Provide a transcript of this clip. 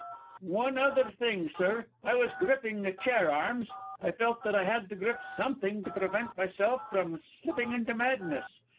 "One other thing, sir. I was gripping the chair arms; I felt that I had to grip something to prevent myself from slipping into madness.